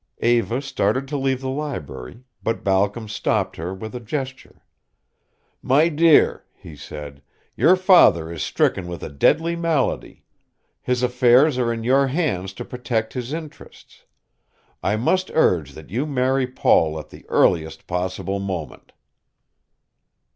Eva started to leave the library, but Balcom stopped her with a gesture. "My dear," he said, "your father is stricken with a deadly malady. His affairs are in your hands to protect his interests. I must urge that you marry Paul at the earliest possible moment."